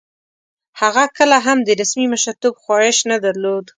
هغه کله هم د رسمي مشرتوب خواهیش نه درلود.